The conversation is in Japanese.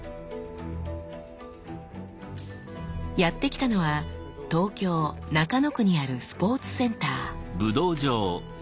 やってきたのは東京・中野区にあるスポーツセンター。